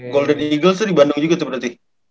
golden eagles tuh di bandung juga tuh berarti